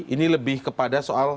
ini lebih kepada soal